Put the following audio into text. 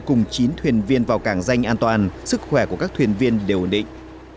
cùng chín thuyền viên vào cảng danh an toàn sức khỏe của các thuyền viên đều ổn định